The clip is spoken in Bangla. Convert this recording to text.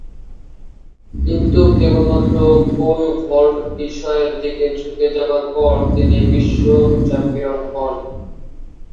কিন্তু কেবলমাত্র পোল ভল্ট বিষয়ের দিকে ঝুঁকে যাবার পর তিনি বিশ্ব চ্যাম্পিয়ন হন।